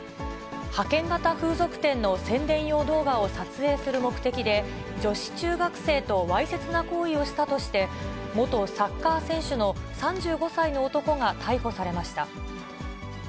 派遣型風俗店の宣伝用動画を撮影する目的で、女子中学生とわいせつな行為をしたとして、元サッカー選手の３５歳の男が逮捕されました。